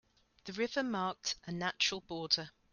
The river marked a natural border.